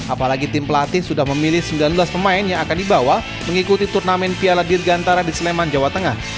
apalagi tim pelatih sudah memilih sembilan belas pemain yang akan dibawa mengikuti turnamen piala dirgantara di sleman jawa tengah